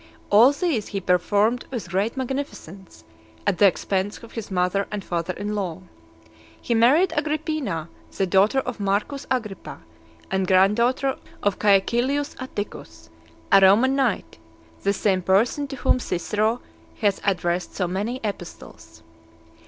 All these he performed with great magnificence, at the expense of his mother and father in law. He married Agrippina, the daughter of Marcus Agrippa, and grand daughter of Caecilius Atticus, a Roman knight, the same person to whom Cicero has addressed so many epistles.